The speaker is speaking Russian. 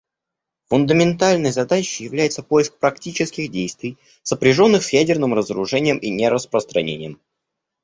Фундаментальной задачей является поиск практических действий, сопряженных с ядерным разоружением и нераспространением.